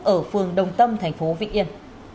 ở phường đồng tâm thành phố vĩnh yên